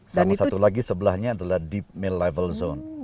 sama satu lagi sebelahnya adalah deep mill level zone